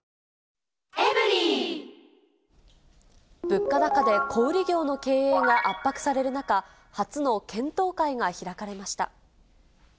物価高で小売り業の経営が圧迫される中、初の検討会が開かれました。